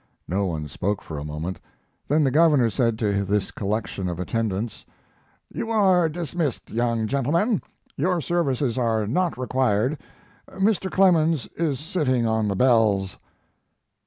No one spoke for a moment; then the Governor said to this collection of attendants: "You are dismissed, young gentlemen. Your services are not required. Mr. Clemens is sitting on the bells."